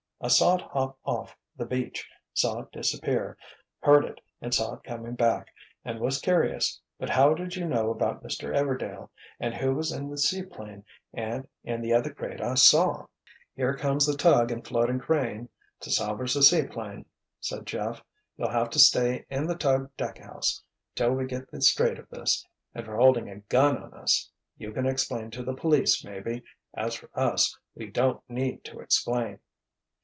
I saw it hop off the beach, saw it disappear, heard it and saw it coming back—and was curious—but how did you know about Mr. Everdail—and who was in the seaplane, and in the other crate I saw?" "Here comes the tug and floating crane, to salvage the seaplane," said Jeff. "You'll have to stay in the tug deckhouse, till we get the straight of this—and for holding a gun on us. You can explain to the police, maybe—as for us, we don't need to explain!"